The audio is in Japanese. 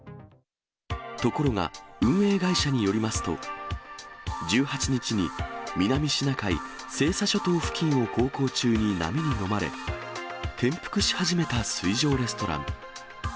ところが、運営会社によりますと、１８日に南シナ海・西沙諸島付近を航行中に波にのまれ、転覆し始めた水上レストラン。